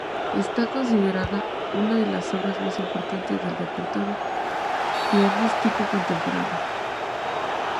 Está considerada una de las obras más importantes del repertorio pianístico contemporáneo.